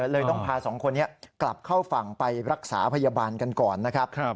เลยต้องพาสองคนนี้กลับเข้าฝั่งไปรักษาพยาบาลกันก่อนนะครับ